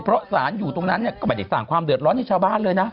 เพราะสารอยู่ตรงนั้นก็ไม่ได้สร้างความเดือดร้อนให้ชาวบ้านเลยนะ